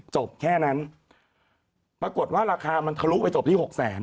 จบแค่นั้นปรากฏว่าราคามันทะลุไปจบที่หกแสน